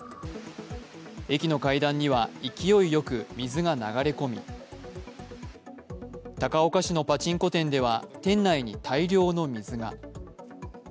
駅の階段には勢いよく水が流れ込み高岡市のパチンコ店では店内に大量の水が。